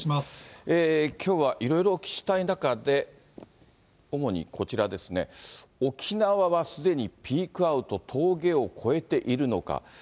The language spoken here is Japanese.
きょうはいろいろお聞きしたい中で、主にこちらですね、沖縄はすでにピークアウト、峠を越えているのか。